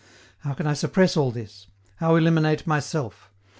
How can I suppress all this? How eliminate myself?